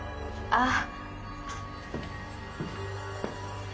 ああ。